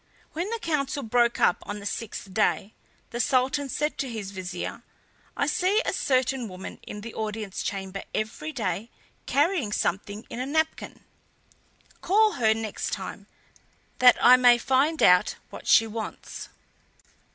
When the council broke up on the sixth day the Sultan said to his Vizier: "I see a certain woman in the audience chamber every day carrying something in a napkin. Call her next time, that I may find out what she wants."